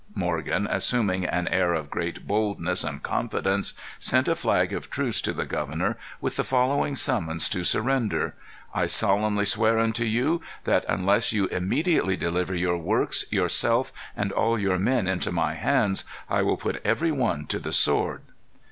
Morgan, assuming an air of great boldness and confidence, sent a flag of truce to the governor, with the following summons to surrender: "I solemnly swear unto you, that unless you immediately deliver your works, yourself, and all your men into my hands, I will put every one to the sword."